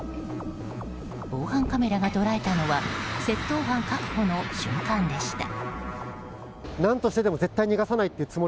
防犯カメラが捉えたのは窃盗犯確保の瞬間でした。